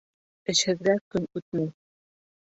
Эшһеҙгә көн үтмәй.